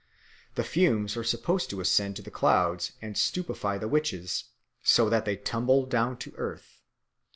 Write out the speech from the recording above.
The fumes are supposed to ascend to the clouds and stupefy the witches, so that they tumble down to earth.